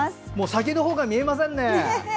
先のほうが見えませんね。